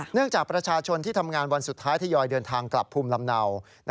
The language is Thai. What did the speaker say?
จากประชาชนที่ทำงานวันสุดท้ายทยอยเดินทางกลับภูมิลำเนา